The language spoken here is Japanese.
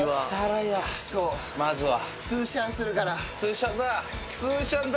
まずは。